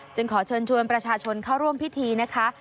ขอเชิญชวนประชาชนเข้าร่วมพิธีนะคะ